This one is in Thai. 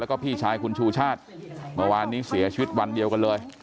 แล้วก็พี่ชายคุณชูชาติเมื่อวานนี้เสียชีวิตวันเดียวกันเลย